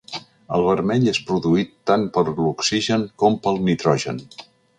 El vermell és produït tant per l’oxigen, com pel nitrogen.